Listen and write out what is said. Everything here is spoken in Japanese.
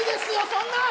そんなん